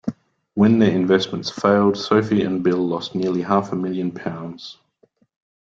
When their investments failed, Sophie and Bill lost nearly half a million pounds